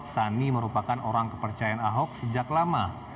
sani merupakan orang kepercayaan ahok sejak lama